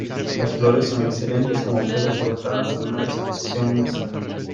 Las flores son excelentes como flores cortadas en una disposición mixta.